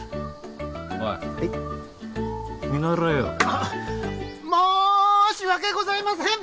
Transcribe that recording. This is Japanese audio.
あっ申し訳ございません！